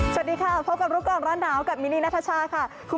สวัสดีค่ะพบกันลูกกล่อนร้านหนาวกับมินีนทรชาค่ะครึ่ง